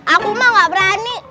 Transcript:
aku mah gak berani